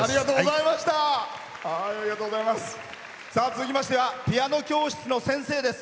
続きましてはピアノ教室の先生です。